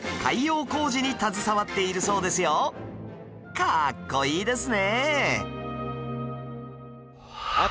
かっこいいですね！